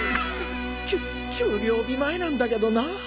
き給料日前なんだけどなぁ。